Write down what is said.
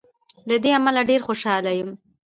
له دې امله ډېر خوشاله یم.